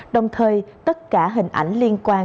đồng thời tất cả hình ảnh liên quan